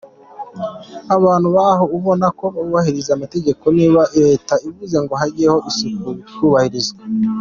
Abantu baho ubona ko bubahiriza amategeko, niba leta ivuze ngo hajyeho isuku bikubahirizwa.